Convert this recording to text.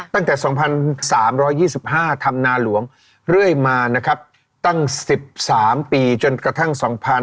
ตั้งแต่๒๓๒๕ธรรมนาหลวงเรื่อยมานะครับตั้ง๑๓ปีจนกระทั่ง๒๕๕๙